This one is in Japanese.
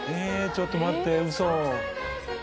ちょっと待って。